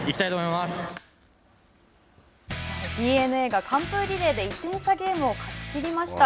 ＤｅＮＡが完封リレーで１点差ゲームを勝ちきりました。